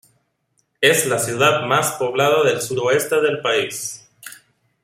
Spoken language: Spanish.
Es la ciudad más poblada del suroeste del país.